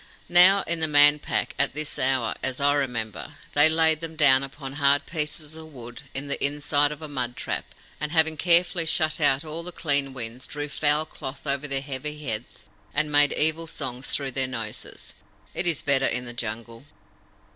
"Now, in the Man Pack, at this hour, as I remember, they laid them down upon hard pieces of wood in the inside of a mud trap, and, having carefully shut out all the clean winds, drew foul cloth over their heavy heads and made evil songs through their noses. It is better in the Jungle."